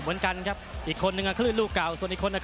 แบบนั้น